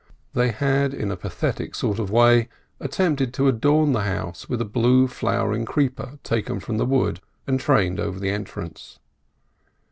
They had in a pathetic sort of way attempted to adorn the house with a blue flowering creeper taken from the wood and trained over the entrance.